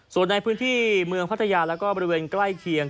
ส่วนในพื้นที่เมืองพัทยาแล้วก็บริเวณใกล้เคียง